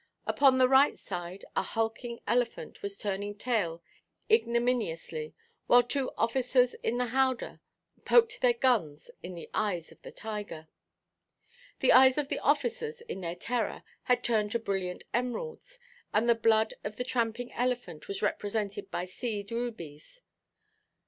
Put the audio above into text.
Upon the right side a hulking elephant was turning tail ignominiously; while two officers in the howdah poked their guns at the eyes of the tiger. The eyes of the officers in their terror had turned to brilliant emeralds, and the blood of the tramping elephant was represented by seed rubies.